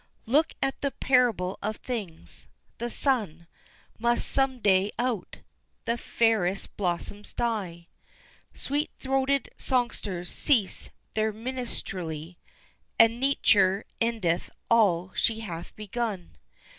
Look at the parable of things the sun Must some day out the fairest blossoms die Sweet throated songsters cease their minstrelsy And Nature endeth all she hath begun.